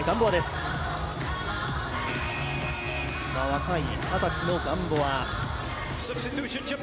若い二十歳のガンボア。